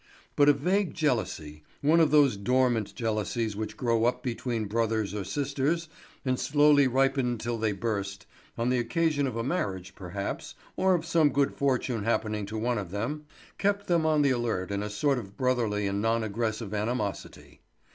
But a vague jealousy, one of those dormant jealousies which grow up between brothers or sisters and slowly ripen till they burst, on the occasion of a marriage perhaps, or of some good fortune happening to one of them, kept them on the alert in a sort of brotherly and non aggressive animosity.